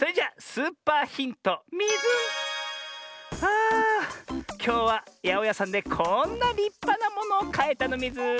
あきょうはやおやさんでこんなりっぱなものをかえたのミズ。